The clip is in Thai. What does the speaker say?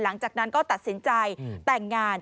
หลังจากนั้นก็ตัดสินใจแต่งงาน